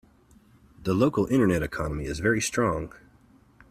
The local internet economy is very strong.